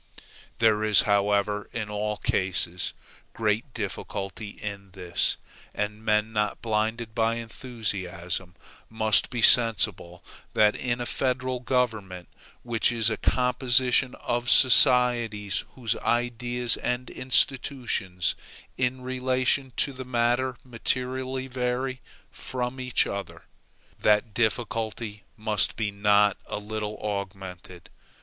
There is, however, in all cases, great difficulty in this; and men not blinded by enthusiasm must be sensible that in a federal government, which is a composition of societies whose ideas and institutions in relation to the matter materially vary from each other, that difficulty must be not a little augmented.